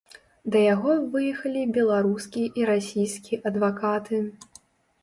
Да яго выехалі беларускі і расійскі адвакаты.